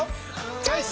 チョイス！